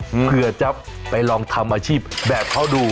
เผื่อจะไปลองทำอาชีพแบบเขาดู